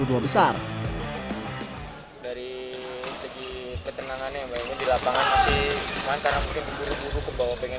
dari segi peternakan